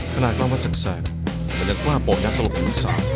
ขณะกลางวันแสกมาจัดกว้าเปราะยาสรรคมอื่นสาม